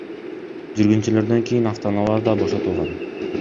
Жүргүнчүлөрдөн кийин автоунаалар да бошотулган.